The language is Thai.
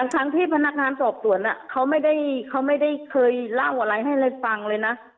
ทั้งที่พนักงานสอบสวนเขาไม่ได้เคยเล่าอะไรให้เลยฟังเลยนะ